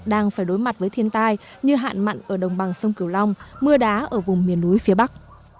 đang phải đối mặt với thiên tai như hạn mặn ở đồng bằng sông cửu long mưa đá ở vùng miền núi phía bắc